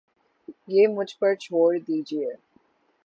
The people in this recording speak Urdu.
یہ مجھ پر چھوڑ دیجئے